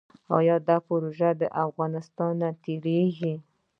دا پروژه له افغانستان تیریږي